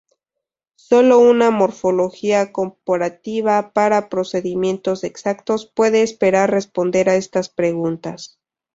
Solo una morfología comparativa con procedimientos exactos puede esperar responder a estas preguntas.